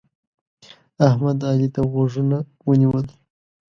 احمد؛ علي ته غوږونه ونیول.